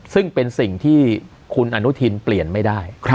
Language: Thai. ซึ่งเป็นสิ่งที่คุณอนุทินเปลี่ยนไม่ได้